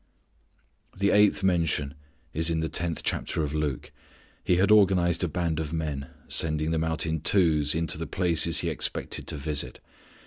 The eighth mention is in the tenth chapter of Luke. He had organized a band of men, sending them out in two's into the places he expected to visit.